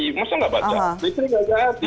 listrik nggak jadi